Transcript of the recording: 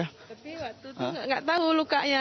tapi waktu itu nggak tahu lukanya